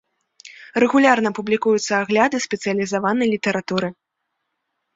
Рэгулярна публікуюцца агляды спецыялізаванай літаратуры.